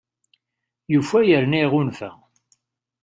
Yufa yerna iɣunfa!